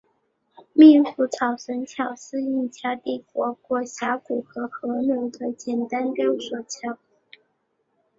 秘鲁草绳桥是印加帝国过峡谷和河流的简单吊索桥。